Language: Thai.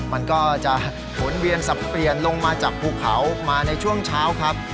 มันก็จะหมุนเวียนสับเปลี่ยนลงมาจากภูเขามาในช่วงเช้าครับ